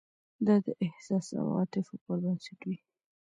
دا د احساس او عواطفو پر بنسټ وي.